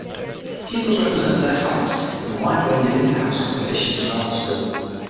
Pupils represent their house in a wide range of interhouse competitions throughout the school.